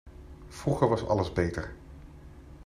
Vroeger was alles beter.